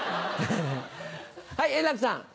はい円楽さん。